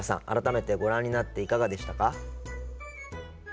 改めてご覧になっていかがでしたか？